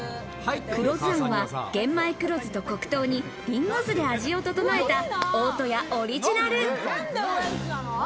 黒酢あんは、玄米黒酢と黒糖にリンゴ酢で味を調えた大戸屋オリジナル。